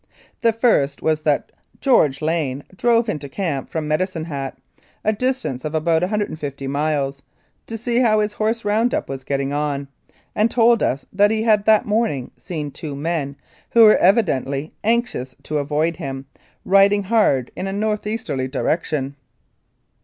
The first was that George Lane drove into camp from Medicine Hat, a distance of about 150 miles, to see how his horse round up was getting on, and told us that he had that morning seen two men, who were evidently anxious to avoid him, riding hard in a north easterly direction.